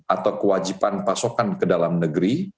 atau kewajiban pasokan ke dalam negeri